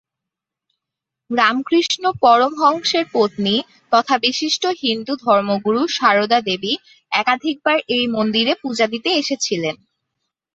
রামকৃষ্ণ পরমহংসের পত্নী তথা বিশিষ্ট হিন্দু ধর্মগুরু সারদা দেবী একাধিকবার এই মন্দিরে পূজা দিতে এসেছিলেন।